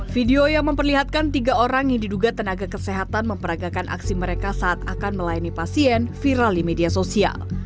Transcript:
video yang memperlihatkan tiga orang yang diduga tenaga kesehatan memperagakan aksi mereka saat akan melayani pasien viral di media sosial